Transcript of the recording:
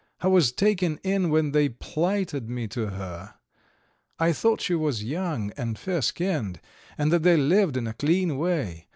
I was taken in when they plighted me to her. I thought she was young and fair skinned, and that they lived in a clean way.